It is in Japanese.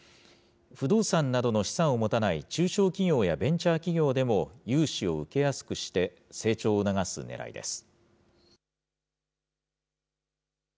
不動産などの資産を持たない中小企業やベンチャー企業でも融資を受けやすくして、成長を促すねらいです。